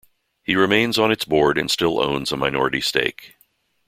He remains on its board and still owns a minority stake.